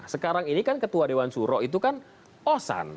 sekarang ini kan ketua dewan suro itu kan osan